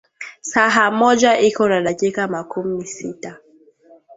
Saha moja iko na dakika makumi sita